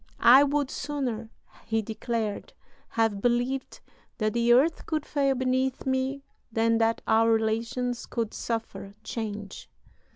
"I would sooner," he declared, "have believed that the earth could fail beneath me than that our relations could suffer change.